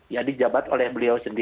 ya di jabat oleh beliau sendiri